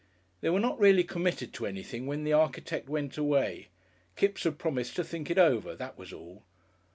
They were not really committed to anything when the architect went away; Kipps had promised to think it over, that was all.